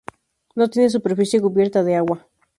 No tiene superficie cubierta de agua.